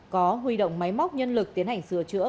có huy động máy móc nhân lực tiến hành sửa chữa